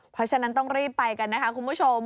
เพราะฉะนั้นต้องรีบไปกันนะคะคุณผู้ชม